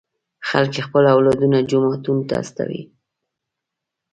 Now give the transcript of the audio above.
خلک خپل اولادونه جوماتونو ته استوي.